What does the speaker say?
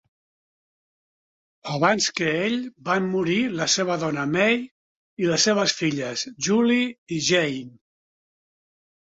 Abans que ell, van morir la seva dona, May, i les seves filles, Julie i Jayne.